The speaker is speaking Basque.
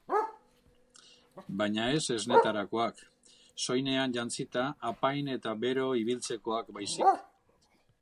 Baina ez esnetarakoak, soinean jantzita, apain eta bero ibiltzekoak baizik.